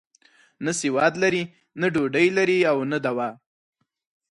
نه سواد لري، نه ډوډۍ لري او نه دوا.